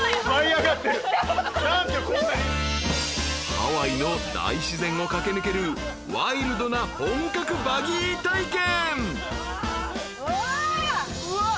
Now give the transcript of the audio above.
［ハワイの大自然を駆け抜けるワイルドな本格バギー体験］